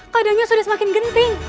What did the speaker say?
keadaannya sudah semakin genting